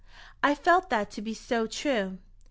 I felt that to be so true!